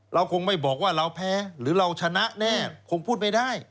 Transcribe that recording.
เราคงไม่บอกว่าเราแพ้หรือเราชนะแน่คงพูดไม่ได้